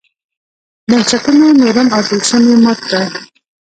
بنسټونو نورم او طلسم یې مات کړ.